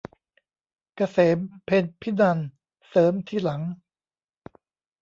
เกษม เพ็ญภินันท์ เสริมทีหลัง